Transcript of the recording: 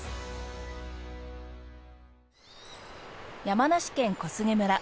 山梨県小菅村。